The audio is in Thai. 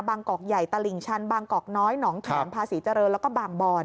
กอกใหญ่ตลิ่งชันบางกอกน้อยหนองแข็มภาษีเจริญแล้วก็บางบอน